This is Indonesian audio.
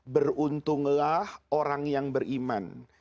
beruntunglah orang yang beriman